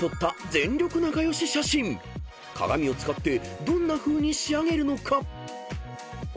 ［鏡を使ってどんなふうに仕上げるのか］